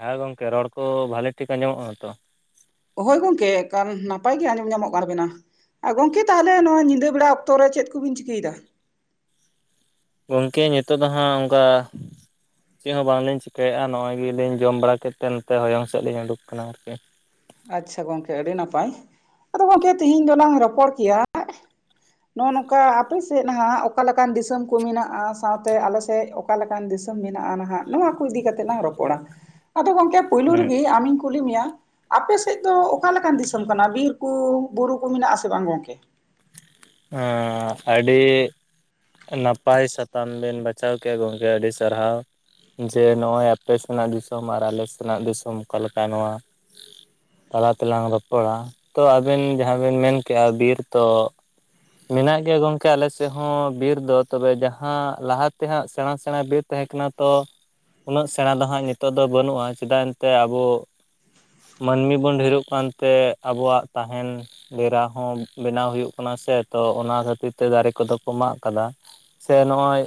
ᱦᱮᱸ ᱜᱚᱝᱠᱮ ᱨᱚᱲ ᱠᱚ ᱵᱷᱟᱞᱤ ᱴᱷᱤᱠ ᱟᱡᱚᱢᱚᱜᱼᱠᱟᱱᱟ ᱛᱚ ᱦᱳᱭ ᱜᱚᱝᱠᱮ ᱮᱠᱟᱞ ᱱᱟᱯᱟᱭ ᱜᱮ ᱟᱸᱡᱚᱢ ᱧᱟᱢᱚᱜ ᱠᱟᱱ ᱵᱮᱱᱟ ᱟᱨ ᱜᱚᱝᱠᱮ ᱛᱟᱦᱚᱞᱮ ᱱᱚᱣᱟ ᱧᱤᱫᱟᱹ ᱵᱮᱲᱟ ᱚᱠᱛᱚᱨᱮ ᱪᱮᱫ ᱠᱚᱵᱤᱱ ᱪᱤᱠᱟᱹᱭᱮᱫᱟ ᱜᱚᱝᱠᱮ ᱱᱤᱛᱚᱜ ᱫᱚ ᱦᱟᱸᱜ ᱚᱱᱠᱟ ᱪᱮᱫ ᱦᱚᱸ ᱵᱟᱝᱞᱤᱧ ᱪᱤᱠᱟᱹᱭᱮᱫᱼᱟ ᱱᱚᱜᱼᱚᱭ ᱜᱮᱞᱤᱧ ᱡᱚᱢ ᱵᱟᱲᱟ ᱠᱟᱛᱮ ᱱᱚᱛᱮ ᱦᱚᱭᱚᱝ ᱥᱮᱫ ᱞᱤᱧ ᱩᱰᱩᱠ ᱟᱠᱟᱱᱟ ᱟᱨᱠᱤ ᱟᱪᱪᱷᱟ ᱜᱚᱝᱠᱮ ᱟᱹᱰᱤ ᱱᱟᱯᱟᱭ, ᱟᱫᱚ ᱜᱚᱝᱠᱮ ᱛᱤᱦᱤᱧ ᱫᱚᱞᱟᱝ ᱨᱚᱯᱚᱲ ᱠᱮᱭᱟ ᱱᱚᱜᱼᱚᱭ ᱱᱚᱝᱠᱟ ᱟᱯᱮ ᱥᱮᱫ ᱱᱟᱦᱟᱜ ᱚᱠᱟ ᱞᱮᱠᱟᱱ ᱫᱤᱥᱚᱢ ᱠᱚ ᱢᱮᱱᱟᱜᱼᱟ ᱥᱟᱶᱛᱮ ᱟᱞᱮ ᱥᱮᱫ ᱚᱠᱟ ᱞᱮᱠᱟᱱ ᱫᱤᱥᱚᱢ ᱢᱮᱱᱟᱜᱼᱟ ᱱᱟᱦᱟᱜ ᱱᱚᱣᱟ ᱠᱚ ᱤᱫᱤ ᱠᱟᱛᱮᱜ ᱞᱟᱝ ᱨᱚᱯᱚᱲᱟ, ᱟᱫᱚ ᱜᱚᱝᱠᱮ ᱯᱳᱭᱞᱳ ᱦᱮᱸ ᱨᱮᱜᱮ ᱟᱢᱤᱧ ᱠᱩᱞᱤ ᱢᱮᱭᱟ, ᱟᱯᱮ ᱥᱮᱫ ᱫᱚ ᱚᱠᱟ ᱞᱮᱠᱟᱱ ᱫᱤᱥᱚᱢ ᱠᱟᱱᱟ ᱵᱤᱨ ᱠᱚ ᱵᱩᱨᱩ ᱠᱚ ᱢᱮᱱᱟᱜ ᱟᱥᱮ ᱵᱟᱝ ᱜᱚᱝᱠᱮ? ᱦᱮᱻᱻᱟᱹᱰᱤ ᱱᱟᱯᱟᱭ ᱥᱟᱛᱟᱢ ᱵᱮᱱ ᱵᱟᱪᱷᱟᱣ ᱠᱮᱫᱼᱟ ᱜᱚᱝᱠᱮ ᱟᱹᱰᱤ ᱥᱟᱨᱦᱟᱣ ᱡᱮ ᱱᱚᱜᱼᱚᱭ ᱟᱯᱮ ᱥᱮᱱᱟᱜ ᱫᱤᱥᱚᱢ ᱟᱨ ᱟᱞᱮ ᱥᱮᱱᱟᱜ ᱫᱤᱥᱚᱢ ᱚᱠᱟᱞᱮᱠᱟ ᱱᱚᱣᱟ ᱛᱟᱞᱟ ᱛᱮᱞᱟᱝ ᱨᱚᱯᱚᱲᱟ, ᱛᱚ ᱟᱵᱮᱱ ᱡᱟᱦᱟᱸ ᱵᱮᱮᱱ ᱢᱮᱱᱠᱮᱜᱼᱟ ᱵᱤᱨ ᱛᱚ ᱢᱮᱱᱟᱜ ᱜᱮᱭᱟ ᱜᱚᱝᱠᱮ ᱟᱞᱮᱥᱮᱫ ᱦᱚᱸ ᱵᱤᱨ ᱫᱚ ᱛᱚᱵᱮ ᱡᱟᱦᱟᱸ ᱞᱟᱦᱟ ᱛᱮ ᱦᱟᱸᱜ ᱥᱮᱬᱟ ᱥᱮᱬᱟ ᱵᱤᱨ ᱛᱟᱦᱮᱸ ᱠᱟᱱᱟ ᱛᱚ ᱩᱱᱟᱹᱜ ᱥᱮᱬᱟ ᱫᱚ ᱦᱟᱸᱜ ᱱᱤᱛᱚᱜ ᱫᱚ ᱵᱟᱹᱱᱩᱜᱼᱟ ᱪᱮᱫᱟᱜ ᱮᱱᱛᱮ ᱟᱵᱚ ᱢᱟᱹᱱᱢᱤ ᱵᱚᱱ ᱰᱷᱮᱨᱚᱜ ᱠᱟᱱᱛᱮ ᱟᱵᱚᱣᱟᱜ ᱛᱟᱦᱮᱱ ᱰᱮᱨᱟ ᱦᱚᱸ ᱵᱮᱱᱟᱣ ᱦᱩᱭᱩᱜ ᱠᱟᱱᱟ ᱥᱮ ᱛᱚ ᱚᱱᱟ ᱠᱷᱟᱹᱛᱤᱨ ᱛᱮ ᱫᱟᱨᱮ ᱠᱚᱫᱚ ᱠᱚ ᱢᱟᱜ ᱟᱠᱟᱫᱟ ᱥᱮ ᱱᱚᱜᱼᱚᱭ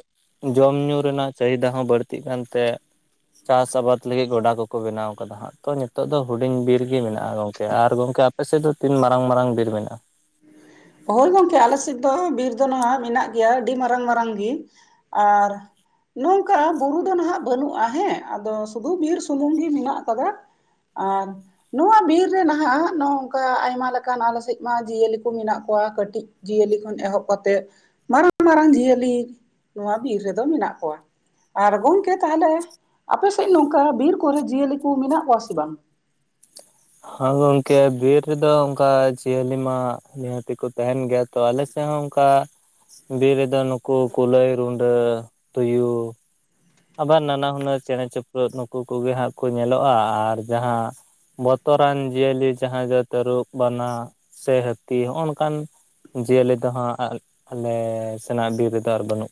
ᱡᱚᱢ ᱧᱩ ᱨᱮᱱᱟᱜ ᱪᱟᱹᱦᱤᱫᱟ ᱦᱚᱸ ᱵᱟᱹᱲᱛᱤᱜ ᱠᱟᱱᱛᱮ ᱪᱟᱥ ᱟᱵᱟᱫᱽ ᱞᱟᱹᱜᱤᱫ ᱜᱚᱰᱟ ᱠᱚᱠᱚ ᱵᱮᱱᱟᱣ ᱟᱠᱟᱫᱟ ᱦᱟᱸᱜ, ᱛᱚ ᱱᱤᱛᱚᱜ ᱫᱚ ᱦᱩᱰᱤᱧ ᱵᱤᱨ ᱜᱮ ᱢᱮᱱᱟᱜᱼᱟ ᱜᱚᱝᱠᱮ, ᱟᱨ ᱜᱚᱝᱠᱮ ᱟᱯᱮ ᱥᱮᱫ ᱫᱚ ᱛᱤᱱ ᱢᱟᱨᱟᱝ ᱢᱟᱨᱟᱝ ᱵᱤᱨ ᱢᱮᱱᱟᱜᱼᱟ ᱦᱳᱭ ᱜᱚᱝᱠᱮ ᱟᱞᱮ ᱥᱮᱫ ᱫᱚ ᱵᱤᱨ ᱫᱚ ᱱᱟᱦᱟᱜ ᱢᱮᱱᱟᱜ ᱜᱮᱭᱟ ᱟᱹᱰᱤ ᱢᱟᱨᱟᱝ ᱢᱟᱨᱟᱝ ᱜᱮ ᱟᱨ ᱱᱚᱝᱠᱟ ᱵᱩᱨᱩ ᱫᱚ ᱱᱟᱦᱟᱜ ᱵᱟᱹᱱᱩᱟ ᱦᱮᱸ ᱟᱫᱚ ᱥᱩᱫᱩ ᱵᱤᱨ ᱥᱩᱢᱩᱝ ᱜᱤ ᱢᱮᱱᱟᱜ ᱟᱠᱟᱫᱟ ᱟᱨ ᱱᱚᱣᱟ ᱵᱤᱨ ᱨᱮ ᱱᱟᱦᱟᱜ ᱱᱚᱝᱠᱟ ᱟᱭᱢᱟ ᱞᱮᱠᱟᱱ ᱟᱞᱮ ᱥᱮᱡ ᱢᱟ ᱡᱤᱭᱟᱹᱞᱤ ᱠᱚ ᱢᱮᱱᱟᱜ ᱠᱚᱣᱟ ᱠᱟᱹᱴᱤᱡ ᱡᱤᱭᱟᱹᱞᱤ ᱠᱷᱚᱱ ᱮᱦᱚᱵ ᱠᱟᱛᱮᱫ ᱢᱟᱨᱟᱝ ᱢᱟᱨᱟᱝ ᱡᱤᱭᱟᱹᱞᱤ ᱱᱚᱣᱟ ᱵᱤᱨ ᱨᱮᱫᱚ ᱢᱮᱱᱟᱜ ᱠᱚᱣᱟ ᱟᱨ ᱜᱚᱝᱠᱮ ᱛᱟᱦᱞᱮ ᱟᱯᱮᱥᱮᱡ ᱱᱚᱝᱠᱟ ᱵᱤᱨ ᱠᱚᱨᱮ ᱡᱤᱭᱟᱹᱞᱤ ᱠᱩ ᱢᱮᱱᱟᱜ ᱠᱚᱣᱟ ᱥᱮ ᱵᱟᱝ ᱦᱟᱸ ᱜᱚᱝᱠᱮ ᱵᱤᱨ ᱨᱮᱫᱚ ᱚᱝᱠᱟ ᱡᱤᱭᱟᱹᱞᱤ ᱢᱟ ᱱᱤᱦᱟᱹᱛᱤ ᱠᱚ ᱛᱟᱦᱮᱱ ᱜᱮᱭᱟ ᱛᱚ ᱟᱞᱮᱥᱮ ᱦᱚᱸ ᱚᱝᱠᱟ ᱵᱤᱨ ᱨᱮᱫᱚ ᱱᱩᱠᱩ ᱠᱩᱞᱟᱹᱭ, ᱨᱩᱸᱰᱟᱹ, ᱛᱩᱭᱩ ᱟᱵᱟᱨ ᱱᱟᱱᱟ ᱦᱩᱱᱟᱹᱨ ᱪᱮᱬᱮ ᱪᱩᱯᱨᱩᱫ ᱱᱩᱠᱩ ᱠᱚᱜᱮ ᱦᱟᱸᱜ ᱠᱚ ᱧᱮᱞᱚᱜ-ᱟ ᱟᱨ ᱡᱟᱦᱟᱸ ᱵᱚᱛᱚᱨᱟᱱ ᱡᱤᱭᱟᱹᱞᱤ ᱡᱟᱦᱟᱸᱭ ᱫᱚ ᱛᱟᱹᱨᱩᱵ ᱵᱟᱱᱟ ᱥᱮ ᱦᱟᱹᱛᱤ ᱦᱚᱸᱜ-ᱚ ᱱᱚᱠᱟᱱ ᱡᱤᱭᱟᱹᱞᱤ ᱫᱚ ᱦᱟᱸᱜ ᱟᱞᱮ ᱥᱮᱱᱟᱜ ᱵᱤᱨ ᱨᱮᱫᱚ ᱟᱨ ᱵᱟᱹᱱᱩᱜ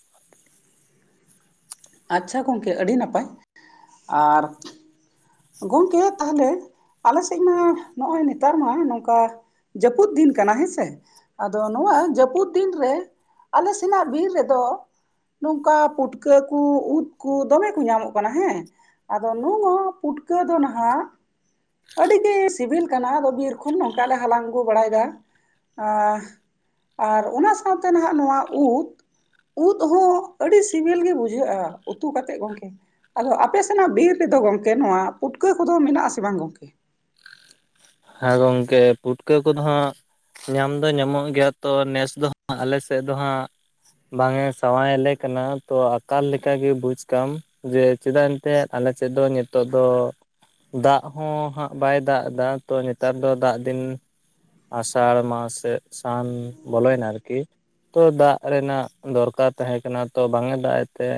ᱟᱪᱪᱷᱟ ᱜᱚᱝᱠᱮ ᱟᱹᱰᱤ ᱱᱟᱯᱟᱭ ᱟᱨ ᱜᱚᱝᱠᱮ ᱛᱟᱦᱞᱮ ᱟᱞᱮ ᱥᱮᱡ ᱢᱟ ᱱᱚᱜ-ᱚᱭ ᱱᱮᱛᱟᱨ ᱢᱟ ᱱᱚᱝᱠᱟ ᱡᱟᱹᱯᱩᱫ ᱫᱤᱱ ᱠᱟᱱᱟ ᱦᱮᱸᱥᱮ ᱟᱫᱚ ᱱᱚᱣᱟ ᱡᱟᱹᱯᱩᱫ ᱫᱤᱱ ᱨᱮ ᱟᱞᱮ ᱥᱮᱱᱟᱜ ᱵᱤᱨ ᱨᱮᱫᱚ ᱱᱚᱝᱠᱟ ᱯᱩᱴᱠᱟᱹ ᱠᱩ ᱩᱫ ᱠᱩ ᱫᱚᱢᱮ ᱠᱚ ᱧᱟᱢᱚᱜ ᱠᱟᱱᱟ ᱦᱮᱸ ᱟᱫᱚ ᱱᱚ ᱱᱚᱣᱟ ᱯᱩᱴᱠᱟᱹ ᱫᱚ ᱱᱟᱦᱟᱜ ᱟᱹᱰᱤ ᱜᱮ ᱥᱤᱵᱤᱞ ᱠᱟᱱᱟ ᱟᱫᱚ ᱵᱤᱨ ᱠᱷᱚᱱ ᱱᱚᱝᱠᱟ ᱞᱮ ᱦᱟᱞᱟᱝ ᱟᱹᱜᱩ ᱵᱟᱲᱟᱭᱫᱟ ᱾ ᱟᱸᱻ ᱟᱨ ᱚᱱᱟ ᱥᱟᱶᱛᱮ ᱱᱟᱦᱟᱜ ᱱᱚᱣᱟ ᱩᱫ ᱩᱫ ᱦᱚᱸ ᱟᱹᱰᱤ ᱥᱤᱵᱤᱞ ᱜᱮ ᱵᱩ ᱡᱟᱹᱜ-ᱟ ᱩᱛᱩ ᱠᱟᱛᱮᱫ ᱜᱚᱝᱠᱮ ᱾ ᱟᱫᱚ ᱟᱯᱮ ᱥᱮᱱᱟᱜ ᱵᱤᱨ ᱨᱮᱫᱚ ᱜᱚᱝᱠᱮ ᱱᱚᱣᱟ ᱯᱩᱴᱠᱟᱹ ᱠᱚᱫᱚ ᱢᱮᱱᱟᱜ ᱟᱥᱮ ᱵᱟᱝ ᱜᱚᱝᱠᱮ? ᱠᱚᱣᱟ᱾ ᱦᱮᱸ ᱜᱚᱝᱠᱮ ᱯᱩᱴᱠᱟᱹ ᱠᱚᱫᱚ ᱦᱟᱸᱜ ᱧᱟᱢ ᱫᱚ ᱧᱟᱢᱚᱜ ᱜᱮᱭᱟ, ᱛᱚ ᱱᱮᱥ ᱫᱚ ᱦᱟᱸᱜ ᱟᱞᱮᱥᱮᱫ ᱫᱚ ᱦᱟᱸᱜ- ᱵᱟᱝᱮ ᱥᱟᱶᱟᱭᱟᱞᱮ ᱠᱟᱱᱟ ᱛᱚ ᱟᱠᱟᱞ ᱞᱮᱠᱟᱜᱮ ᱵᱩᱡᱽ ᱠᱟᱢ ᱾ ᱡᱮ ᱪᱮᱫᱟᱜ ᱮᱱᱛᱮᱫ ᱟᱞᱮ ᱥᱮᱫ ᱫᱚ ᱱᱤᱛᱚᱜ ᱫᱚ ᱫᱟᱜ ᱦᱚᱸ ᱦᱟᱸᱜ ᱵᱟᱭ ᱫᱟᱜ ᱫᱟ ᱛᱚ ᱱᱮᱛᱟᱨ ᱫᱚ ᱫᱟᱜ ᱫᱤᱱ ᱟᱥᱟᱲ ᱢᱟᱥ ᱥᱮ ᱥᱟᱱ ᱵᱚᱞᱚᱭᱱᱟ ᱟᱨᱠᱤ ᱾ ᱛᱚ ᱫᱟᱜ ᱨᱮᱱᱟᱜ ᱫᱚᱨᱠᱟᱨ ᱛᱟᱦᱮᱸ ᱠᱟᱱᱟ ᱛᱚ ᱵᱟᱝ ᱮ ᱫᱟᱜ ᱮᱫ ᱛᱮ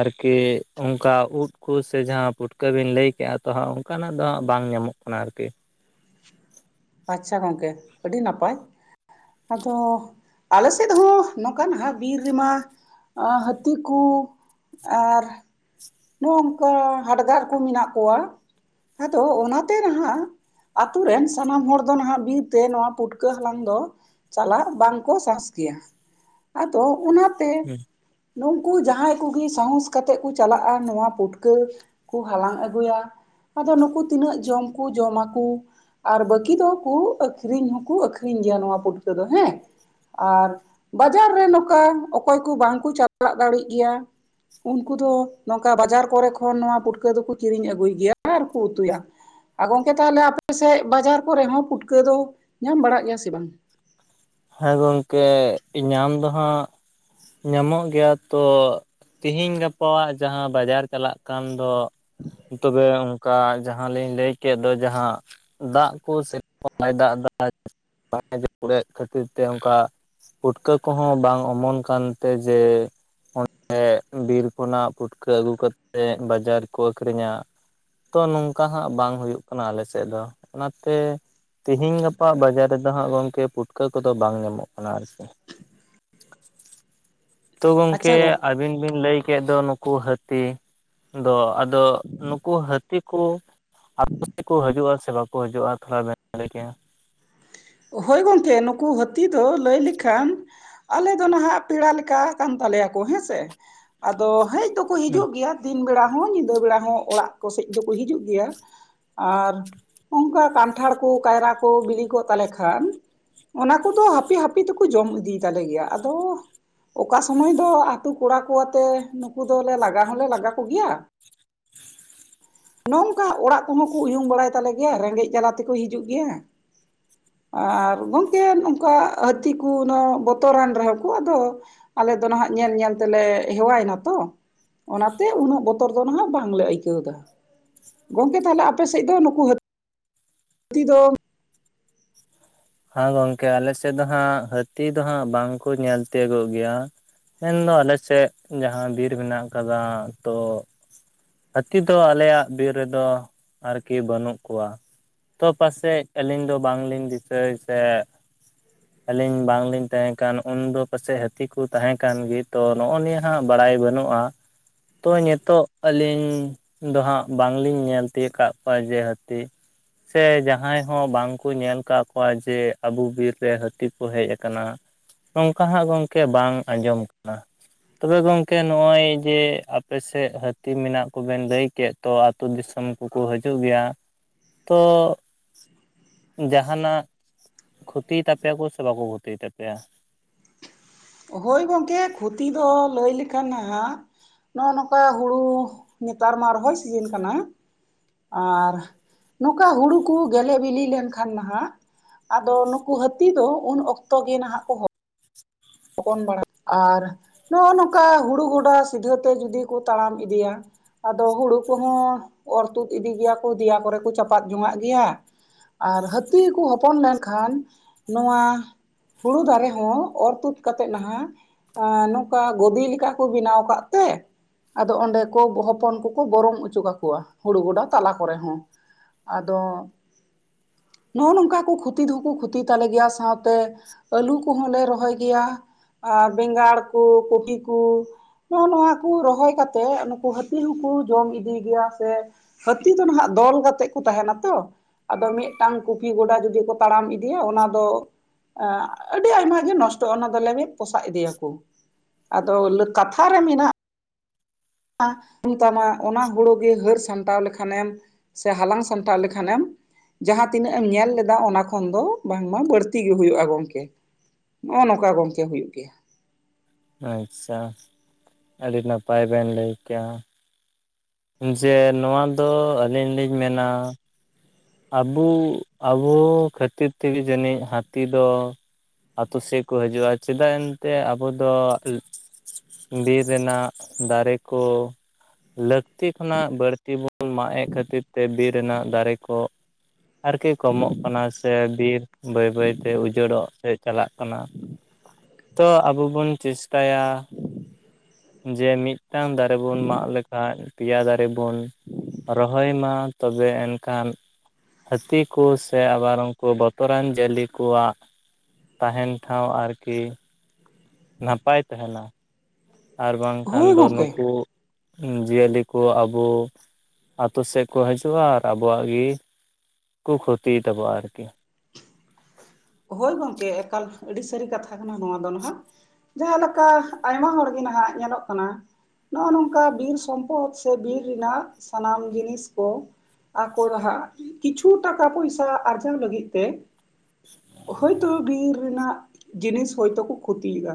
ᱟᱨᱠᱤ ᱚᱝᱠᱟ ᱩᱫ ᱠᱚ ᱥᱮ ᱡᱟᱦᱟᱸ ᱯᱩᱴᱠᱟᱹᱵᱤᱱ ᱞᱟᱹᱭ ᱠᱮᱜ-ᱟ ᱛᱚ ᱦᱟᱸᱜ ᱚᱝᱠᱟᱱᱟᱜ ᱫᱚ ᱦᱟᱸᱜ ᱵᱟᱝ ᱧᱟᱢᱚᱜ ᱠᱟᱱᱟ ᱟᱨᱠᱤ ᱾ ᱟᱪᱪᱷᱟ ᱜᱚᱝᱠᱮ ᱟᱹᱰᱤ ᱱᱟᱯᱟᱭ ᱾ ᱟᱫᱚ ᱟᱞᱮ ᱥᱮᱫ ᱦᱚᱸ ᱱᱚᱠᱟᱱ ᱱᱟᱦᱟᱜ ᱵᱤᱨ ᱨᱮᱢᱟ ᱟᱸ ᱦᱟᱹᱛᱤ ᱠᱩ ᱟᱨ ᱱᱚᱜ-ᱚᱝᱠᱟ ᱦᱟᱰᱜᱟᱨ ᱠᱚ ᱢᱮᱱᱟᱜ ᱠᱚᱣᱟ ᱟᱫᱚ ᱚᱱᱟᱛᱮ ᱱᱟᱦᱟᱜ ᱟᱛᱩ ᱨᱮᱱ ᱥᱟᱱᱟᱢ ᱦᱚᱲ ᱫᱚ ᱱᱟᱦᱟᱜ ᱵᱤᱨᱛᱮ ᱱᱚᱣᱟ ᱯᱩᱴᱠᱟᱹ ᱦᱟᱞᱟᱝ ᱫᱚ ᱪᱟᱞᱟᱜ ᱵᱟᱝᱠᱚ ᱥᱟᱦᱚᱥ ᱜᱮᱭᱟ ᱾ ᱟᱫᱚ ᱚᱱᱟ ᱛᱮ ᱱᱩᱝᱠᱩ ᱡᱟᱦᱟᱸᱭ ᱠᱩᱜᱤ ᱥᱟᱦᱚᱸᱥ ᱠᱟᱛᱮ ᱠᱚ ᱪᱟᱞᱟᱜ-ᱟ ᱱᱚᱣᱟ ᱯᱩᱴᱠᱟᱹ ᱠᱩ ᱦᱟᱞᱟᱝ ᱟᱹᱜᱩᱭᱟ, ᱟᱫᱚ ᱱᱩᱠᱩ ᱛᱤᱱᱟᱹᱜ ᱡᱚᱢ ᱠᱩ ᱡᱚᱢᱟᱠᱩ ᱾ ᱟᱨ ᱵᱟᱹᱠᱤ ᱫᱚᱠᱩ ᱟᱹᱠᱷᱨᱤᱧ ᱦᱚᱸᱠᱩ ᱟᱹᱠᱷᱨᱤᱧ ᱜᱮᱭᱟ ᱱᱚᱶᱟ ᱯᱩᱴᱠᱚᱹ ᱫᱚ ᱦᱮᱸ ᱾ ᱟᱨ ᱵᱟᱡᱟᱨ ᱨᱮ ᱱᱚᱠᱟ ᱚᱠᱚᱭ ᱠᱩ ᱵᱟᱝᱠᱩ ᱪᱟᱞᱟᱜ ᱫᱟᱲᱮᱜ ᱜᱮᱭᱟ ᱩᱱᱠᱩ ᱫᱚ ᱱᱚᱝᱠᱟ ᱵᱟᱡᱟᱨ ᱠᱚᱨᱮ ᱠᱷᱚᱱ ᱱᱚᱣᱟ ᱯᱩᱴᱠᱟᱹ ᱫᱚᱠᱚ ᱠᱤᱨᱤᱧ ᱟᱹᱜᱩᱭ ᱜᱮᱭᱟ ᱟᱨᱠᱚ ᱩᱛᱩᱭᱟ ᱾ ᱟ ᱜᱚᱝᱠᱮ ᱛᱟᱦᱟᱞᱮ ᱟᱯᱮ ᱥᱮᱪ ᱵᱟᱡᱟᱨ ᱠᱚᱨᱮ ᱦᱚᱸ ᱯᱩᱴᱠᱟᱹ ᱫᱚ ᱧᱟᱢ ᱵᱟᱲᱟᱜ ᱜᱮᱭᱟ ᱥᱮ ᱵᱟᱝ? ᱦᱮᱸ ᱜᱚᱝᱠᱮ ᱧᱟᱢ ᱫᱚ ᱦᱟᱸᱜ ᱧᱟᱢᱚᱜ ᱜᱮᱭᱟ ᱛᱚ ᱛᱤᱦᱤᱧ ᱜᱟᱯᱟᱣᱟᱜ ᱡᱟᱦᱟᱸ ᱵᱟᱡᱟᱨ ᱪᱟᱞᱟᱜ ᱠᱟᱱ ᱫᱚ ᱛᱚᱵᱮ ᱚᱝᱠᱟ ᱡᱟᱦᱟᱸ ᱞᱤᱧ ᱞᱟᱹᱭ ᱠᱮᱜ ᱫᱚ ᱡᱟᱦᱟᱸ ᱫᱟᱜ ᱠᱚ ᱥᱮᱨᱚᱠᱚᱢ ᱵᱟᱭ ᱫᱟᱜ ᱫᱟ [unintelligible] ᱠᱷᱟᱹᱛᱤᱨ ᱛᱮ ᱚᱝᱠᱟ ᱯᱩᱴᱠᱟᱹ ᱠᱚᱦᱚᱸ ᱵᱟᱝ ᱚᱢᱚᱱ ᱠᱟᱱᱛᱮ ᱡᱮ ᱚᱸᱰᱮ ᱵᱤᱨ ᱠᱷᱚᱱᱟᱜ ᱯᱩᱴᱠᱟᱹ ᱟᱹᱜᱩ ᱠᱟᱛᱮᱫ ᱵᱟᱡᱟᱨ ᱨᱮᱠᱚ ᱟᱹᱠᱷᱨᱤᱧᱟ, ᱛᱚ ᱱᱚᱝᱠᱟ ᱦᱟᱸᱜ ᱵᱟᱝ ᱦᱩᱭᱩᱜ ᱠᱟᱱᱟ ᱟᱞᱮ ᱥᱮᱫ ᱫᱚ ᱚᱱᱟᱛᱮ ᱛᱮᱦᱤᱧ ᱜᱟᱯᱟ ᱵᱟᱡᱟᱨ ᱨᱮᱫᱚ ᱦᱟᱸᱜ ᱜᱚᱝᱠᱮ ᱯᱩᱴᱠᱟᱹ ᱠᱚᱫᱚ ᱵᱟᱝ ᱧᱟᱢᱚᱜ ᱠᱟᱱᱟ ᱟᱨᱠᱤ ᱾ ᱛᱚ ᱜᱚᱢᱠᱮ ᱟᱪᱪᱷᱟ ᱜᱚᱝᱠᱮ ᱟᱹᱵᱤᱱ ᱵᱤᱱ ᱞᱟᱹᱭ ᱠᱮᱫ ᱫᱚ ᱱᱩᱠᱩ ᱦᱟᱹᱛᱤ ᱫᱚ ᱟᱫᱚ ᱱᱩᱠᱩ ᱦᱟᱹᱛᱤ ᱠᱚ ᱟᱯᱮ ᱥᱮᱫ ᱠᱚ ᱦᱤᱡᱩᱜᱼᱟ ᱥᱮ ᱵᱟᱠᱚ ᱦᱤᱡᱩᱜᱼᱟ ᱛᱷᱚᱲᱟ [unintelligible] [unintelligible] ᱦᱳᱭ ᱜᱚᱝᱠᱮ ᱱᱩᱠᱩ ᱦᱟᱹᱛᱤ ᱫᱚ ᱞᱟᱹᱭ ᱞᱮᱠᱷᱟᱱ ᱟᱞᱮ ᱫᱚ ᱱᱟᱦᱟᱜ ᱯᱮᱲᱟ ᱞᱮᱠᱟ ᱠᱟᱱ ᱛᱟᱞᱮᱭᱟ ᱠᱚ ᱦᱮᱸᱥᱮ ᱾ ᱟᱫᱚ ᱦᱮᱡ ᱫᱚ ᱠᱚ ᱦᱤᱡᱩᱜ ᱜᱮᱭᱟ ᱫᱤᱱ ᱵᱮᱲᱟ ᱦᱚᱸ ᱧᱤᱫᱟᱹ ᱵᱮᱲᱟ ᱦᱚᱸ ᱚᱲᱟᱜ ᱠᱚᱥᱮᱫ ᱫᱚᱠᱚ ᱦᱤᱡᱩᱜ ᱜᱮᱭᱟ ᱟᱨ ᱚᱱᱠᱟ ᱠᱟᱱᱴᱷᱟᱲ ᱠᱚ ᱠᱟᱭᱨᱟ ᱠᱚ ᱵᱤᱞᱤᱠᱚᱜ ᱛᱟᱞᱮᱠᱷᱟᱱ ᱠᱷᱟᱱ ᱚᱱᱟ ᱠᱚᱫᱚ ᱦᱟᱯᱮ ᱦᱟᱯᱮ ᱛᱮᱠᱚ ᱡᱚᱢ ᱤᱫᱤᱭ ᱛᱟᱞᱮ ᱜᱮᱭᱟ, ᱟᱫᱚ ᱚᱠᱟ ᱥᱚᱢᱚᱭ ᱫᱚ ᱟᱛᱳ ᱠᱚᱲᱟᱠᱚ ᱟᱛᱮ ᱱᱩᱠᱩ ᱫᱚᱞᱮ ᱞᱟᱜᱟ ᱦᱚᱞᱮ ᱞᱟᱜᱟ ᱠᱚᱜᱮᱭᱟ ᱾ [inaudible] ᱱᱚᱝᱠᱟ ᱚᱲᱟᱜ ᱠᱚᱦᱚᱸ ᱠᱚ ᱩᱭᱩᱝ ᱵᱟᱲᱟᱭ ᱛᱟᱞᱮ ᱜᱮᱭᱟ ᱨᱮᱸᱜᱮᱡ ᱡᱟᱞᱟ ᱛᱮᱠᱚ ᱦᱤᱡᱩᱜ ᱜᱮᱭᱟ ᱾ ᱟᱨ ᱜᱚᱝᱠᱮ ᱚᱱᱠᱟ ᱦᱟᱹᱛᱤ ᱠᱚ ᱩᱱᱟᱹ ᱵᱚᱛᱚᱨᱟᱱ ᱨᱮᱦᱚᱸ ᱠᱚ ᱟᱫᱚ ᱟᱞᱮ ᱫᱚ ᱱᱟᱦᱟᱜ ᱧᱮᱞ ᱧᱮᱞ ᱛᱮᱞᱮ ᱦᱮᱣᱟᱭ ᱱᱟᱛᱚ ᱾ ᱚᱱᱟᱛᱮ ᱩᱱᱟᱹᱜ ᱵᱚᱛᱚᱨ ᱫᱚ ᱱᱟᱦᱟᱜ ᱵᱟᱝᱞᱮ ᱟᱹᱭᱠᱟᱹᱣ ᱫᱟ ᱾ ᱜᱚᱝᱠᱮ ᱛᱟᱦᱚᱞᱮ ᱟᱯᱮ ᱥᱮᱫ ᱫᱚ ᱱᱩᱠᱩ ᱦᱟᱹᱛᱤ [unintelligible] ᱦᱟᱹᱛᱤ ᱫᱚ ᱦᱮᱸ ᱜᱚᱝᱠᱮ ᱟᱞᱮ ᱥᱮᱫ ᱫᱚ ᱦᱟᱸᱜ ᱦᱟᱹᱛᱤ ᱫᱚ ᱦᱟᱸᱜ ᱵᱟᱝ ᱠᱚ ᱧᱮᱞ ᱛᱤᱭᱚᱜᱚᱜ ᱜᱮᱭᱟ ᱢᱮᱱᱫᱚ ᱟᱞᱮ ᱥᱮᱫ ᱡᱟᱦᱟᱸ ᱵᱤᱨ ᱢᱮᱱᱟᱜ ᱟᱠᱟᱫᱟ ᱛᱚ ᱦᱟᱹᱛᱤ ᱫᱚ ᱟᱞᱮᱭᱟᱜ ᱵᱤᱨ ᱨᱮᱫᱚ ᱟᱨᱠᱤ ᱵᱟᱹᱱᱩᱜ ᱠᱚᱣᱟ ᱛᱚ ᱯᱟᱥᱮᱡ ᱟᱹᱞᱤᱧ ᱫᱚ ᱵᱟᱝ ᱞᱤᱧ ᱫᱤᱥᱟᱹᱭ ᱥᱮ ᱟᱹᱞᱤᱧ ᱵᱟᱝᱞᱤᱧ ᱛᱟᱦᱮᱸᱠᱟᱱ ᱩᱱᱫᱚ ᱯᱟᱥᱮᱡ ᱦᱟᱹᱛᱤ ᱠᱚ ᱛᱟᱦᱮᱸᱠᱟᱱ ᱜᱮ ᱛᱚ ᱱᱚᱜᱼᱚ ᱱᱤᱭᱟᱹ ᱦᱟᱸᱜ ᱵᱟᱲᱟᱭ ᱵᱟᱹᱱᱩᱜᱼᱟ ᱛᱚ ᱱᱤᱛᱚᱜ ᱟᱹᱞᱤᱧ ᱫᱚ ᱦᱟᱸᱜ ᱵᱟᱝ ᱞᱤᱧ ᱧᱮᱞ ᱛᱤᱭᱳᱜ ᱟᱠᱟᱫ ᱠᱚᱣᱟ ᱡᱮ ᱦᱟᱹᱛᱤ ᱥᱮ ᱡᱟᱦᱟᱸᱭ ᱦᱚᱸ ᱵᱟᱝ ᱠᱚ ᱧᱮᱞ ᱟᱠᱟᱫ ᱠᱚᱣᱟ ᱡᱮ ᱟᱵᱚ ᱵᱤᱨ ᱨᱮ ᱦᱟᱹᱛᱤ ᱠᱚ ᱦᱮᱡ ᱟᱠᱟᱱᱟ ᱱᱚᱝᱠᱟ ᱦᱟᱸᱜ ᱜᱚᱢᱠᱮ ᱵᱟᱝ ᱟᱸᱡᱚᱢ ᱠᱟᱱᱟ ᱛᱚᱵᱮ ᱜᱚᱝᱠᱮ ᱱᱚᱜᱼᱚᱭ ᱡᱮ ᱟᱯᱮᱥᱮᱫ ᱦᱟᱹᱛᱤ ᱢᱮᱱᱟᱜ ᱠᱚᱵᱮᱱ ᱞᱟᱹᱭ ᱠᱮᱫ ᱛᱚ ᱟᱛᱳ ᱫᱤᱥᱚᱢ ᱠᱚᱠᱚ ᱦᱤᱡᱩᱜ ᱜᱮᱭᱟ ᱛᱚ ᱡᱟᱦᱟᱱᱟᱜ ᱠᱷᱚᱛᱤᱭ ᱛᱟᱯᱮᱭᱟᱠᱚ ᱥᱮ ᱵᱟᱠᱚ ᱠᱷᱚᱛᱤᱭ ᱛᱟᱯᱮᱭᱟ? ᱦᱳᱭ ᱜᱚᱢᱠᱮ ᱠᱷᱚᱛᱤ ᱫᱚ ᱞᱟᱹᱭ ᱞᱮᱠᱷᱟᱱ ᱦᱟᱸᱜ ᱱᱚᱜᱼᱚ ᱱᱚᱝᱠᱟ ᱦᱩᱲᱩ ᱱᱮᱛᱟᱨ ᱢᱟ ᱨᱚᱦᱚᱭ ᱥᱤᱡᱤᱱ ᱠᱟᱱᱟ ᱟᱨ ᱱᱚᱝᱠᱟ ᱦᱩᱲᱩ ᱠᱚ ᱜᱮᱞᱮ ᱵᱤᱞᱤ ᱞᱮᱱᱠᱷᱟᱱ ᱱᱟᱦᱟᱜ ᱟᱫᱚ ᱱᱩᱠᱩ ᱦᱟᱹᱛᱤ ᱫᱚ ᱩᱱ ᱚᱠᱛᱚ ᱜᱮ ᱱᱟᱦᱟᱜ ᱠᱚ ᱦᱚᱼᱼ ᱦᱚᱯᱚᱱ ᱵᱟᱲᱟ ᱟᱨ ᱱᱚᱜᱼᱚ ᱱᱚᱝᱠᱟ ᱦᱩᱲᱩ ᱜᱚᱰᱟ ᱥᱤᱫᱷᱟᱹᱛᱮ ᱡᱩᱫᱤ ᱠᱚ ᱛᱟᱲᱟᱢ ᱤᱫᱤᱭᱟ ᱟᱫᱚ ᱦᱩᱲᱩ ᱠᱚᱦᱚᱸ ᱚᱨ ᱛᱩᱫ ᱤᱫᱤ ᱜᱮᱭᱟ ᱠᱚ ᱫᱮᱭᱟ ᱠᱚᱨᱮ ᱠᱚ ᱪᱟᱯᱟᱫ ᱡᱚᱱᱟᱜ ᱜᱮᱭᱟ ᱟᱨ ᱦᱟᱹᱛᱤ ᱠᱚ ᱦᱚᱯᱚᱱ ᱞᱮᱱᱠᱷᱟᱱ ᱱᱚᱣᱟ ᱦᱩᱲᱩ ᱫᱟᱨᱮ ᱦᱚᱸ ᱚᱨ ᱛᱩᱫ ᱠᱟᱛᱮ ᱱᱟᱦᱟᱜ ᱱᱚᱝᱠᱟ ᱜᱚᱫᱤ ᱞᱮᱠᱟ ᱠᱚ ᱵᱮᱱᱟᱣ ᱠᱟᱫ ᱛᱮ ᱟᱫᱚ ᱚᱸᱰᱮ ᱠᱚ ᱦᱚᱯᱚᱱ ᱠᱚᱠᱚ ᱵᱚᱨᱚᱢ ᱚᱪᱚ ᱠᱟᱠᱚᱣᱟ ᱦᱩᱲᱩ ᱜᱚᱰᱟ ᱛᱟᱞᱟ ᱠᱚᱨᱮ ᱦᱚᱸ ᱟᱫᱚ ᱱᱚᱜᱼᱚ ᱱᱚᱝᱠᱟ ᱠᱚ ᱠᱷᱚᱛᱤ ᱫᱚ ᱠᱚ ᱠᱷᱚᱛᱤ ᱛᱟᱞᱮ ᱜᱮᱭᱟ ᱥᱟᱶᱛᱮ ᱟᱹᱞᱩ ᱠᱚᱦᱚᱸ ᱞᱮ ᱨᱚᱦᱚᱭ ᱜᱮᱭᱟ ᱟᱨ ᱵᱮᱸᱜᱟᱲ ᱠᱚ ᱠᱚᱯᱤ ᱠᱚ ᱱᱚᱜᱼᱚ ᱱᱚᱣᱟ ᱠᱚ ᱨᱚᱦᱚᱭ ᱠᱟᱛᱮᱜ ᱱᱩᱠᱩ ᱦᱟᱹᱛᱤ ᱦᱚᱸᱠᱚ ᱡᱚᱢ ᱤᱫᱤᱭ ᱜᱮᱭᱟ ᱥᱮ ᱦᱟᱹᱛᱤ ᱫᱚ ᱱᱟᱦᱟᱜ ᱫᱚᱞ ᱠᱟᱛᱮᱜ ᱠᱚ ᱛᱟᱦᱮᱱᱟ ᱛᱚ ᱟᱫᱚ ᱢᱤᱫᱴᱟᱝ ᱠᱩᱯᱤ ᱜᱚᱰᱟ ᱡᱩᱫᱤ ᱠᱚ ᱛᱟᱲᱟᱢ ᱤᱫᱤ ᱤᱫᱤᱭᱟ ᱚᱱᱟ ᱫᱚ ᱟᱹᱰᱤ ᱟᱭᱢᱟ ᱜᱮ ᱱᱚᱥᱴᱚᱜᱼᱟ ᱚᱱᱟ ᱞᱮᱵᱮᱫ ᱯᱚᱥᱟᱜ ᱤᱫᱤᱭᱟᱠᱚ ᱟᱫᱚ ᱠᱟᱛᱷᱟ ᱨᱮ ᱢᱮᱱᱟᱜ ᱛᱟᱢᱟ ᱚᱱᱟ ᱦᱩᱲᱩ ᱜᱮ ᱦᱟᱹᱨ ᱥᱟᱢᱴᱟᱣ ᱞᱮᱠᱷᱟᱱ ᱮᱢ ᱥᱮ ᱦᱟᱞᱟᱝ ᱥᱟᱢᱴᱟᱣ ᱞᱮᱠᱷᱟᱱ ᱮᱢ ᱡᱟᱦᱟᱸ ᱛᱤᱱᱟᱹᱜ ᱮᱢ ᱧᱮᱞ ᱞᱮᱫᱟ ᱚᱱᱟ ᱠᱷᱚᱱ ᱫᱚ ᱵᱟᱝᱢᱟ ᱵᱟᱹᱲᱛᱤ ᱜᱮ ᱦᱩᱭᱩᱜᱼᱟ ᱜᱚᱝᱠᱮ ᱱᱚᱜᱼᱚᱭᱴ ᱱᱚᱝᱠᱟ ᱜᱚᱝᱠᱮ ᱦᱩᱭᱩᱜ ᱜᱮᱭᱟ ᱟᱪᱪᱷᱟ ᱟᱹᱰᱤ ᱱᱟᱯᱟᱭ ᱵᱮᱱ ᱞᱟᱹᱭ ᱠᱮᱜᱼᱟ ᱡᱮ ᱱᱚᱣᱟ ᱫᱚ ᱟᱹᱞᱤᱧ ᱞᱤᱧ ᱢᱮᱱᱟ ᱟᱵᱚ ᱟᱵᱚ ᱠᱷᱟᱹᱛᱤᱨ ᱛᱮᱜᱮ ᱡᱟᱹᱱᱤᱡ ᱦᱟᱹᱛᱤ ᱫᱚ ᱟᱹᱛᱩ ᱥᱮᱫ ᱠᱚ ᱦᱤᱡᱩᱜᱼᱟ ᱪᱮᱫᱟᱜ ᱮᱱᱛᱮᱫ ᱟᱵᱚ ᱫᱚ ᱵᱤᱨ ᱨᱮᱱᱟᱜ ᱫᱟᱨᱮ ᱠᱚ ᱞᱟᱹᱠᱛᱤ ᱠᱷᱚᱱᱟᱜ ᱵᱟᱹᱲᱛᱤ ᱵᱚᱱ ᱢᱟᱜ ᱮᱫ ᱠᱷᱟᱹᱛᱤᱨ ᱛᱮ ᱵᱤᱨ ᱨᱮᱱᱟᱜ ᱫᱟᱨᱮ ᱠᱚ ᱟᱨᱠᱤ ᱠᱚᱢᱚᱜ ᱠᱟᱱᱟ ᱥᱮ ᱵᱤᱨ ᱵᱟᱹᱭ ᱵᱟᱹᱭᱛᱮ ᱩᱡᱟᱹᱲᱚᱜ ᱥᱮ ᱪᱟᱞᱟᱜ ᱠᱟᱱᱟ ᱛᱮ ᱟᱵᱚ ᱵᱚᱱ ᱪᱮᱥᱴᱟᱭᱟ ᱡᱮ ᱢᱤᱫᱴᱟᱝ ᱫᱟᱨᱮ ᱵᱚᱱ ᱢᱟᱜ ᱞᱮᱠᱷᱟᱱ ᱯᱮᱭᱟ ᱫᱟᱨᱮ ᱵᱚᱱ ᱨᱚᱦᱚᱭ ᱢᱟ ᱛᱚᱵᱮ ᱮᱱᱠᱷᱟᱱ ᱦᱟᱹᱛᱤ ᱠᱚ ᱥᱮ ᱟᱵᱟᱨ ᱩᱱᱠᱩ ᱵᱚᱛᱚᱨᱟᱱ ᱡᱤᱭᱟᱹᱞᱤ ᱠᱚᱣᱟᱜ ᱛᱟᱦᱮᱱ ᱴᱷᱟᱶ ᱟᱨᱠᱤ ᱱᱟᱯᱟᱭ ᱛᱟᱦᱮᱱᱟ ᱟᱨ ᱵᱟᱝᱠᱷᱟᱱ ᱦᱳᱭ ᱫᱚ ᱜᱚᱝᱠᱮ ᱱᱩᱠᱩ ᱡᱤᱭᱟᱹᱞᱤ ᱠᱚ ᱟᱵᱚ ᱟᱹᱛᱩ ᱥᱮᱫ ᱠᱚ ᱦᱤᱡᱩᱜᱼᱟ ᱟᱨ ᱟᱵᱚᱣᱟᱜ ᱜᱤ ᱠᱚ ᱠᱷᱚᱛᱤᱭ ᱛᱟᱵᱚᱣᱟ ᱟᱨᱠᱤ ᱦᱳᱭ ᱜᱚᱝᱠᱮ ᱮᱠᱟᱞ ᱟᱹᱰᱤ ᱥᱟᱹᱨᱤ ᱠᱟᱛᱷᱟ ᱠᱟᱱᱟ ᱱᱚᱣᱟ ᱫᱚ ᱱᱟᱦᱟᱜ ᱾ ᱡᱟᱸᱦᱟ ᱞᱮᱠᱟ ᱟᱭᱢᱟ ᱦᱚᱲᱜᱮ ᱱᱟᱦᱟᱜ ᱧᱮᱞᱚᱜ ᱠᱟᱱᱟ ᱱᱚᱜᱚᱭ ᱱᱚᱝᱠᱟ ᱵᱤᱨ ᱥᱚᱢᱯᱚᱫ ᱥᱮ ᱵᱤᱨ ᱨᱮᱱᱟᱜ ᱥᱟᱱᱟᱢ ᱡᱤᱱᱤᱥ ᱠᱚ ᱟᱠᱚᱨᱦᱟᱜ ᱠᱤᱪᱷᱩ ᱴᱟᱠᱟ ᱯᱚᱭᱥᱟ ᱟᱨᱡᱟᱣ ᱞᱟᱹᱜᱤᱫ ᱛᱮ ᱦᱳᱭᱛᱳ ᱵᱤᱨ ᱨᱮᱱᱟᱜ ᱡᱤᱱᱤᱥ ᱦᱳᱭᱛᱚ ᱠᱚ ᱠᱷᱚᱛᱤᱭᱮᱫᱟ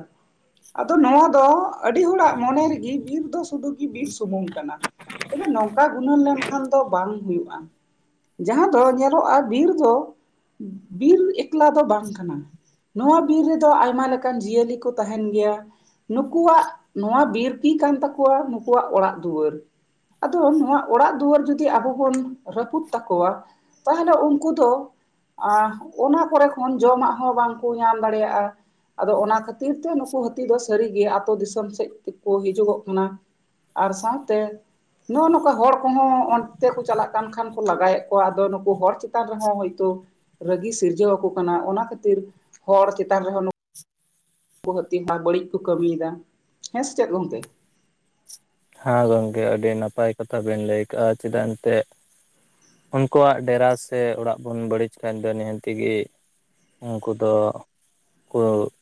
ᱟᱫᱚ ᱱᱟᱭᱟ ᱫᱚ ᱟᱹᱰᱤ ᱦᱚᱲᱟᱜ ᱢᱚᱱᱮ ᱨᱮᱜᱮ ᱵᱤᱨ ᱫᱚ ᱥᱩᱫᱷᱩ ᱜᱮ ᱵᱤᱨ ᱥᱩᱢᱩᱝ ᱠᱟᱱᱟ ᱛᱚᱵᱮ ᱱᱚᱝᱠᱟ ᱜᱩᱱᱟᱹᱱ ᱞᱮᱱᱠᱷᱟᱱ ᱫᱚ ᱵᱟᱝ ᱦᱩᱭᱩᱜᱼᱟ ᱡᱟᱦᱟᱸ ᱫᱚ ᱧᱮᱞᱚᱜᱼᱟ ᱵᱤᱨ ᱫᱚ ᱵᱤᱨ ᱮᱠᱞᱟ ᱫᱚ ᱵᱟᱝ ᱠᱟᱱᱟ ᱱᱚᱣᱟ ᱵᱤᱨ ᱨᱮᱫᱚ ᱟᱭᱢᱟ ᱞᱮᱠᱟᱱ ᱡᱤᱭᱟᱹᱞᱤ ᱠᱚ ᱛᱟᱸᱦᱮᱱ ᱜᱮᱭᱟ ᱱᱩᱠᱩᱣᱟᱜ ᱱᱚᱶᱟ ᱵᱤᱨ ᱠᱤ ᱠᱟᱱ ᱛᱟᱠᱚᱣᱟ ᱱᱩᱠᱩᱣᱟᱜ ᱚᱲᱟᱜ ᱫᱩᱣᱟᱹᱨ ᱟᱫᱚ ᱱᱚᱣᱟ ᱚᱲᱟᱜ ᱫᱩᱣᱟᱹᱨ ᱡᱚᱫᱤ ᱟᱵᱚ ᱵᱚᱱ ᱨᱟᱹᱯᱩᱫ ᱛᱟᱠᱚᱣᱟ ᱛᱟᱦᱚᱞᱮ ᱩᱱᱠᱩ ᱫᱚ ᱟ ᱚᱱᱟ ᱠᱚᱨᱮ ᱠᱷᱚᱱ ᱡᱚᱢᱟᱜ ᱦᱚᱸ ᱵᱟᱝᱠᱚ ᱧᱟᱢ ᱫᱟᱲᱮᱭᱟᱜᱼᱟ ᱟᱫᱚ ᱚᱱᱟ ᱠᱷᱟᱹᱛᱤᱨ ᱛᱮ ᱱᱩᱠᱩ ᱦᱟᱹᱛᱤ ᱫᱚ ᱥᱟᱹᱨᱤᱜᱮ ᱟᱹᱛᱳ ᱫᱤᱥᱚᱢ ᱥᱮᱫ ᱛᱮᱠᱚ ᱦᱤᱡᱩᱜᱚᱜ ᱠᱟᱱᱟ ᱟᱨ ᱥᱟᱶᱛᱮ ᱱᱚᱜᱼᱚ ᱱᱚᱝᱠᱟ ᱦᱚᱲ ᱠᱚᱦᱚᱸ ᱚᱱᱛᱮ ᱠᱚ ᱪᱟᱞᱟᱜ ᱠᱟᱱ ᱠᱷᱟᱱ ᱠᱚ ᱞᱟᱜᱟᱭᱮᱫ ᱠᱚᱣᱟ ᱟᱫᱚ ᱱᱩᱠᱩ ᱦᱚᱲ ᱪᱮᱛᱟᱱ ᱨᱮᱦᱚᱸ ᱦᱚᱭᱛᱳ ᱨᱟᱹᱜᱤ ᱥᱤᱨᱡᱟᱹᱣ ᱟᱠᱚ ᱠᱟᱱᱟ ᱚᱱᱟ ᱠᱷᱟᱹᱛᱤᱨ ᱦᱚᱲ ᱪᱮᱛᱟᱱ ᱨᱮᱦᱚᱸ ᱱᱩ ᱠᱚ ᱦᱟᱹᱛᱤ ᱢᱟ ᱵᱟᱹᱲᱤᱡ ᱠᱚ ᱠᱟᱹᱢᱤᱭᱮᱫᱟ ᱦᱮᱸ ᱥᱮ ᱪᱮᱫ ᱜᱚᱝᱠᱮ ᱦᱮᱸ ᱜᱚᱝᱠᱮ ᱟᱹᱰᱤ ᱱᱟᱯᱟᱭ ᱠᱟᱛᱷᱟ ᱵᱮᱱ ᱞᱟᱹᱭ ᱠᱟᱜ ᱼᱟ ᱪᱮᱫᱟᱜ ᱮᱱᱛᱮᱫ ᱩᱱᱠᱩᱣᱟᱜ ᱰᱮᱨᱟ ᱥᱮ ᱚᱲᱟᱜ ᱵᱚᱱ ᱵᱟᱹᱲᱤᱡ ᱠᱷᱟᱱ ᱫᱚ ᱱᱤᱦᱟᱹᱛᱤᱜᱮ ᱩᱱᱠᱩ ᱫᱚ ᱠᱚ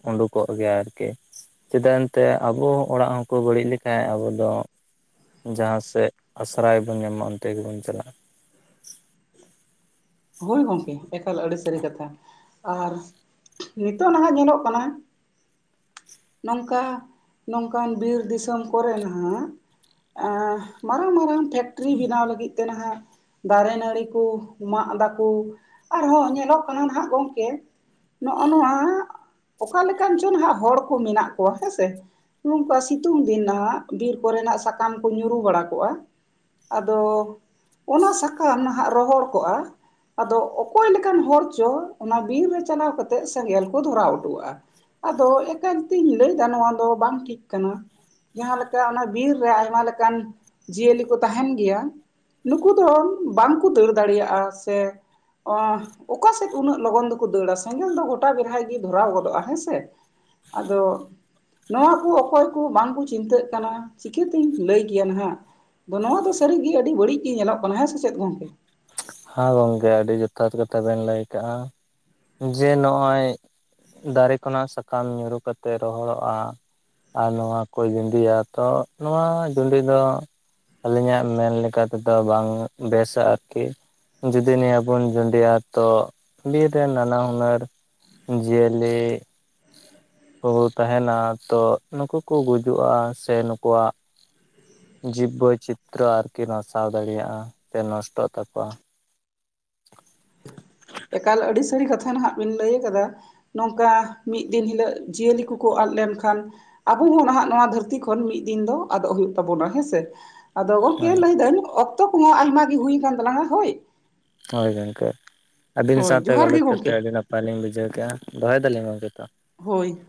ᱩᱰᱩᱠᱚᱜ ᱜᱮᱭᱟ ᱟᱨᱠᱤ ᱪᱮᱫᱟᱜ ᱮᱱᱛᱮ ᱟᱵᱚ ᱚᱲᱟᱜ ᱦᱚᱸᱠᱚ ᱵᱟᱹᱲᱤᱡ ᱞᱮᱠᱷᱟᱡ ᱟᱵᱚ ᱫᱚ ᱡᱟᱦᱟᱸ ᱥᱮᱫ ᱟᱥᱨᱟᱭ ᱵᱚᱱ ᱧᱟᱢᱟ ᱚᱱᱛᱮ ᱜᱮᱵᱚᱱ ᱪᱟᱞᱟᱜᱼᱟ ᱦᱳᱭ ᱜᱚᱝᱠᱮ ᱮᱠᱟᱞ ᱟᱹᱰᱤ ᱥᱟᱹᱨᱤ ᱠᱟᱛᱷᱟ ᱟᱨ ᱱᱤᱛᱚᱜ ᱱᱟᱦᱟᱜ ᱧᱮᱞᱚᱜ ᱠᱟᱱᱟ ᱱᱚᱝᱠᱟ ᱱᱚᱝᱠᱟᱱ ᱵᱤᱨ ᱫᱤᱥᱚᱢ ᱠᱚᱨᱮ ᱱᱟᱜ ᱮᱸ ᱢᱟᱨᱟᱝ ᱢᱟᱨᱟᱝ ᱯᱷᱮᱠ ᱴᱨᱤ ᱵᱮᱱᱟᱣ ᱞᱟᱹᱜᱤᱫ ᱛᱮ ᱱᱟᱦᱟᱸᱜ ᱫᱟᱨᱮ ᱱᱟᱹᱲᱤ ᱠᱚ ᱢᱟᱜ ᱫᱟ ᱟᱨᱦᱚᱸ ᱧᱮᱞᱚᱜ ᱠᱟᱱᱟ ᱱᱟᱦᱟᱸᱜ ᱜᱚᱝᱠᱮ ᱱᱚᱜᱼᱚ ᱱᱚᱣᱟ ᱚᱠᱟ ᱞᱮᱠᱟᱱ ᱪᱚ ᱦᱟᱸᱜ ᱦᱚᱲ ᱠᱚ ᱢᱮᱱᱟᱜ ᱠᱚᱣᱟ ᱦᱮᱸᱥᱮ ᱱᱚᱝᱠᱟ ᱥᱤᱛᱩᱝ ᱫᱤᱱ ᱱᱟᱦᱟᱸᱜ ᱵᱤᱨ ᱠᱚᱨᱮᱱᱟᱜ ᱥᱟᱠᱟᱢ ᱠᱚ ᱧᱩᱨᱩ ᱵᱟᱲᱟ ᱠᱚᱜᱼᱟ ᱟᱫᱚ ᱚᱱᱟ ᱥᱟᱠᱟᱢ ᱱᱟᱦᱟᱸᱜ ᱨᱚᱦᱚᱲ ᱠᱚᱜᱼᱟ ᱟᱫᱚ ᱚᱠᱚᱭ ᱞᱮᱠᱟᱱ ᱦᱚᱲ ᱪᱚ ᱚᱱᱟ ᱵᱤᱨ ᱨᱮ ᱪᱟᱞᱟᱣ ᱠᱟᱛᱮᱫ ᱥᱮᱸᱜᱮᱞ ᱠᱚ ᱫᱷᱚᱨᱟᱣ ᱦᱚᱴᱚᱟᱜᱼᱟ ᱟᱫᱚ ᱮᱠᱟᱞᱛᱤᱧ ᱞᱟᱹᱭ ᱮᱫᱟ ᱱᱚᱣᱟ ᱫᱚ ᱵᱟᱝ ᱴᱷᱤᱠ ᱠᱟᱱᱟ ᱡᱟᱦᱟᱸᱦᱮᱠᱟ ᱚᱱᱟ ᱵᱤᱨ ᱨᱮ ᱟᱭᱢᱟ ᱞᱮᱠᱟᱱ ᱡᱤᱭᱟᱹᱞᱤ ᱠᱚ ᱛᱟᱦᱮᱱ ᱜᱮᱭᱟ ᱱᱩᱠᱩ ᱫᱚ ᱵᱟᱝᱠᱚ ᱫᱟᱹᱲ ᱫᱟᱲᱮᱭᱟᱜᱼᱟ ᱥᱮ ᱚᱸᱟ ᱚᱠᱟ ᱥᱮᱫ ᱩᱱᱟᱹᱜ ᱞᱚᱜᱚᱱ ᱫᱚ ᱠᱚ ᱫᱟᱹᱲᱟ ᱥᱮᱸᱜᱮᱞ ᱫᱚ ᱜᱚᱴᱟ ᱵᱮᱲᱦᱟᱭ ᱜᱮ ᱫᱷᱚᱨᱟᱣ ᱜᱚᱫᱚᱜᱼᱟ ᱦᱮᱸᱥᱮ ᱟᱫᱚ ᱱᱚᱣᱟ ᱠᱚ ᱚᱠᱚᱭ ᱠᱚ ᱵᱟᱝ ᱠᱚ ᱪᱤᱱᱛᱟᱹᱜ ᱠᱟᱱᱟ ᱪᱤᱠᱟᱹᱛᱤᱧ ᱞᱟᱹᱭ ᱜᱮᱭᱟᱱ ᱦᱟᱸᱜ ᱟᱫᱚ ᱱᱚᱣᱟ ᱫᱚ ᱥᱟᱺᱨᱤᱜᱮ ᱟᱹᱰᱤ ᱵᱟᱹᱲᱤᱡ ᱜᱮ ᱧᱮᱞᱚᱜ ᱠᱟᱱᱟ ᱦᱮᱸ ᱥᱮ ᱪᱮᱫ ᱜᱚᱝᱠᱮ ᱦᱮᱸ ᱜᱚᱝᱠᱮ ᱟᱹᱰᱤ ᱡᱚᱛᱷᱟᱛ ᱠᱟᱛᱷᱟ ᱵᱮᱱ ᱞᱟᱹᱭ ᱠᱟᱜᱼᱟ ᱡᱮ ᱱᱚᱜᱼᱚᱭ ᱫᱟᱨᱮ ᱠᱷᱚᱱᱟᱜ ᱥᱟᱠᱟᱢ ᱧᱩᱨᱩ ᱠᱟᱛᱮᱫ ᱨᱚᱦᱚᱲᱚᱜᱼᱟ ᱟᱨ ᱱᱚᱣᱟ ᱠᱚᱭ ᱵᱤᱸᱰᱤᱭᱟ ᱛᱚ ᱱᱚᱣᱟ ᱵᱤᱸᱰᱤ ᱫᱚ ᱟᱹᱞᱤᱧᱟᱜ ᱢᱮᱱ ᱞᱮᱠᱟ ᱛᱮᱫᱚ ᱵᱟᱝ ᱵᱮᱥᱟ ᱟᱨᱠᱤ ᱡᱩᱫᱤ ᱱᱤᱭᱟᱹ ᱵᱚᱱ ᱜᱩᱸᱰᱤᱭᱟ ᱛᱚ ᱵᱤᱨ ᱨᱮᱱ ᱱᱟᱱᱟ ᱦᱩᱱᱟᱹᱨ ᱡᱤᱭᱟᱹᱞᱤ ᱠᱚ ᱛᱟᱦᱮᱱᱟ ᱛᱚ ᱱᱩᱠᱩ ᱠᱚ ᱜᱩᱡᱩᱜᱼᱟ ᱥᱮ ᱱᱩᱠᱩᱣᱟᱜ ᱡᱤᱵᱽ ᱵᱳᱭ ᱪᱤᱛᱨᱚ ᱟᱨᱠᱤ ᱱᱟᱥᱟᱣ ᱫᱟᱲᱮᱭᱟᱜᱼᱟ ᱥᱮ ᱱᱚᱥᱴᱚᱜ ᱛᱟᱠᱚᱣᱟ [inaudible] ᱮᱠᱟᱞ ᱟᱹᱰᱤᱥ ᱛᱟᱹᱨᱤ ᱠᱟᱛᱷᱟ ᱱᱟᱦᱟᱜ ᱵᱤᱱ ᱞᱟᱹᱭ ᱟᱠᱟᱫᱟ ᱱᱚᱝᱠᱟ ᱢᱤᱫ ᱫᱤᱱ ᱦᱤᱞᱳᱜ ᱡᱤᱭᱟᱹᱞᱤ ᱠᱚ ᱠᱚ ᱟᱫ ᱞᱮᱱ ᱠᱷᱟᱱ ᱟᱵᱚ ᱦᱚᱸ ᱱᱟᱦᱟᱜ ᱱᱚᱣᱟ ᱫᱷᱟᱹᱨᱛᱤ ᱠᱷᱚᱱ ᱢᱤᱫ ᱫᱤᱱ ᱫᱚ ᱟᱫᱚᱜ ᱦᱩᱭᱩᱜ ᱛᱟᱵᱚᱱᱟ ᱦᱮᱸᱥᱮ ᱟᱫᱚ ᱜᱚᱝᱠᱮ ᱦᱮᱸ ᱞᱟᱹᱭ ᱫᱟᱹᱧ ᱚᱠᱛᱚ ᱠᱚᱦᱟᱸᱜ ᱟᱭᱢᱟ ᱜᱮ ᱦᱩᱭ ᱟᱠᱟᱱ ᱛᱟᱞᱟᱝᱟ ᱦᱳᱭ ᱦᱳᱭ ᱜᱚᱝᱠᱮ ᱟᱵᱤᱱ ᱦᱳᱭ ᱥᱟᱶᱛᱮ ᱡᱚᱦᱟᱨ ᱜᱮ ᱜᱟᱞᱚᱪ ᱠᱟᱛᱮ ᱜᱚᱝᱠᱮ ᱟᱹᱰᱤ ᱱᱟᱯ ᱵᱟᱹᱞᱤᱧ ᱵᱩᱡᱷᱟᱹᱣ ᱠᱮᱼᱟ ᱫᱚᱦᱚᱭ ᱮᱫᱟᱞᱤᱧ ᱜᱚᱝᱠᱮ ᱛᱚ ᱦᱳᱭ